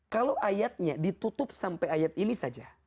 kalau ayatnya ditutup sampai ayat ini saja